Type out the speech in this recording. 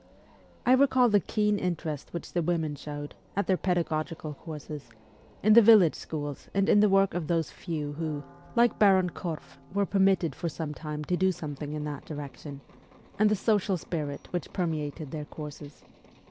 I recall the keen interest which the women showed, at their pedagogical courses, in the village schools and in the work of those few who, like Baron Korff, were permitted for some time to do something in that direction, and the social spirit which permeated their courses.